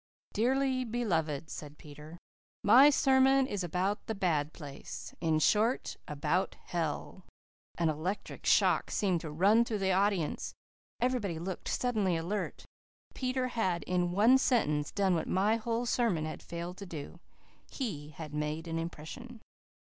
"Dearly beloved," said Peter, "my sermon is about the bad place in short, about hell." An electric shock seemed to run through the audience. Everybody looked suddenly alert. Peter had, in one sentence, done what my whole sermon had failed to do. He had made an impression.